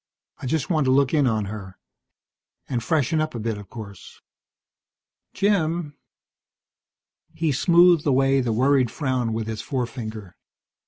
I just want to look in on her. And freshen up a bit, of course." "Jim " He smoothed away the worried frown with his forefinger.